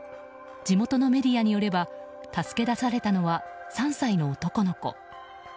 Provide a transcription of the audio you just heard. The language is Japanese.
地元のメディアによれば助け出されたのは３歳の男の子。